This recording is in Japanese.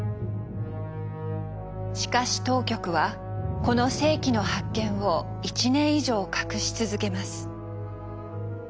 しかし当局はこの世紀の発見を１年以上隠し続けます。